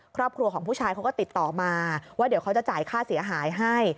ครอบครัวของผู้ชายเขาก็ติดต่อมาว่าเดี๋ยวเขาจะจ่ายค่าเสียหายให้